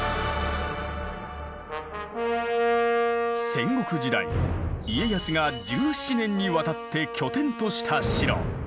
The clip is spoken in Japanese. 戦国時代家康が１７年にわたって拠点とした城。